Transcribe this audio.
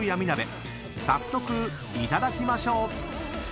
［早速いただきましょう］